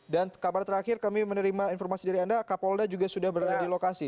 dan kabar terakhir kami menerima informasi dari anda kapolda juga sudah berada di lokasi